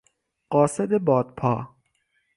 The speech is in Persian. قاصد بادپا